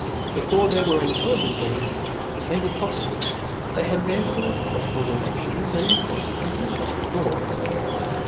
Before there were intel ligent beings, they were poflible ; they had therefore poflible relations, and confequently poflible laws.